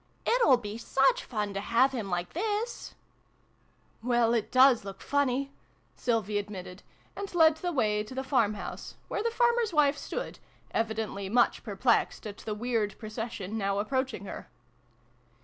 " It'll be such fun to have him like this !" "Well, it does look funny," Sylvie admitted, and led the way to the farm house, where the farmer's wife stood, evidently much perplexed at the weird procession now approaching her.